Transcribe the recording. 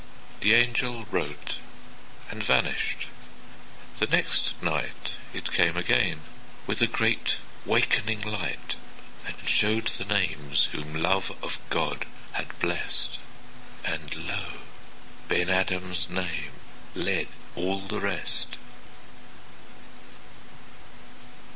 'The angel wrote and vanished. The next nightIt came again with a great wakening light, And showed the names whom love of God had blessed, And lo! Ben Adhem's name led all the rest.